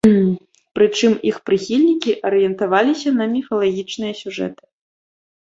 Прычым, іх прыхільнікі арыентаваліся на міфалагічныя сюжэты.